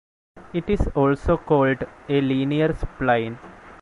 It is also called a linear spline.